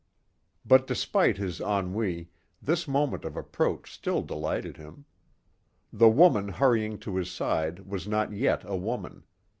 But despite his ennui, this moment of approach still delighted him. The woman hurrying to his side was not yet a woman.